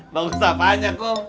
bagus apaan ya kum